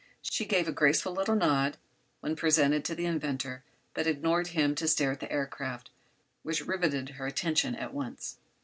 She gave a graceful little nod when presented to the inventor, but ignored him to stare at the aircraft, which riveted her attention at once.